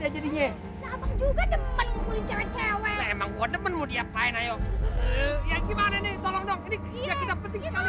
cuman mau diapain ayo ya gimana ini tolong dong ini kita penting sekali